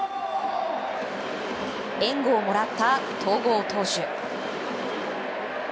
援護をもらった戸郷投手。